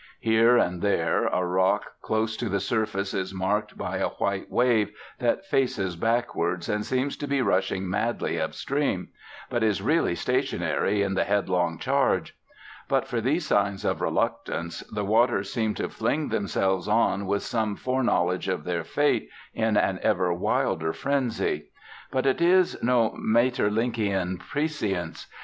Here and there a rock close to the surface is marked by a white wave that faces backwards and seems to be rushing madly up stream, but is really stationary in the headlong charge. But for these signs of reluctance, the waters seem to fling themselves on with some foreknowledge of their fate, in an ever wilder frenzy. But it is no Maeterlinckian prescience.